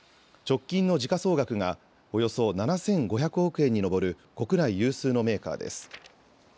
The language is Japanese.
直近の時価総額がおよそ７５００億円に上る国内有数のメーカーです。